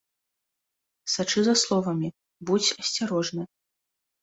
Сачы за словамі, будзь асцярожны.